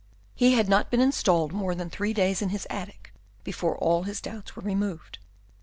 He had not been installed more than three days in his attic before all his doubts were removed.